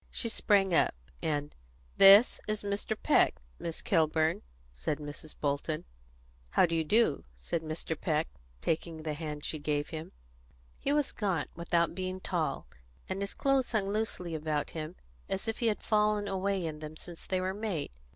She sprang up, and, "This is Mr. Peck, Miss Kilburn," said Mrs. Bolton. "How do you do?" said Mr. Peck, taking the hand she gave him. He was gaunt, without being tall, and his clothes hung loosely about him, as if he had fallen away in them since they were made.